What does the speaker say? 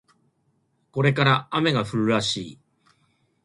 これから雨が降るらしい